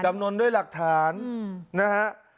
ำนวนด้วยหลักฐานนะฮะ